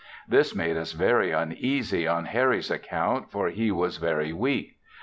This made us very uneasy on Harry's account, for he was very weak.